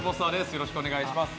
よろしくお願いします。